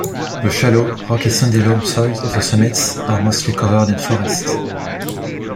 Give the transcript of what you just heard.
The shallow, rocky sandy loam soils of the summits are mostly covered in forest.